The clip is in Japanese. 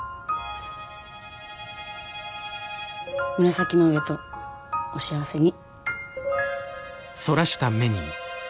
紫の上とお幸せに。